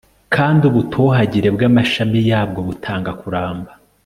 kandi ubutohagire bw'amashami yabwo butanga kuramba